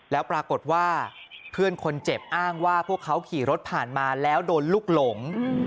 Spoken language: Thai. แล้วปรากฏว่าเพื่อนคนเจ็บอ้างว่าพวกเขาขี่รถผ่านมาแล้วโดนลูกหลง